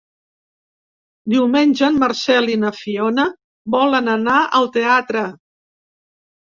Diumenge en Marcel i na Fiona volen anar al teatre.